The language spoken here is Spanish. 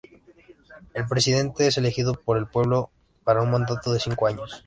El presidente es elegido por el pueblo para un mandato de cinco años.